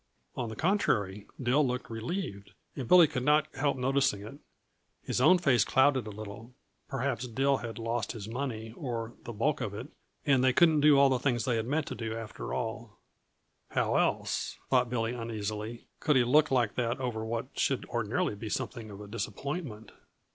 On the contrary, Dill looked relieved, and Billy could not help noticing it. His own face clouded a little. Perhaps Dill had lost his money, or the bulk of it, and they couldn't do all the things they had meant to do, after all; how else, thought Billy uneasily, could he look like that over what should ordinarily be something of a disappointment?